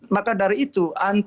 maka dari itu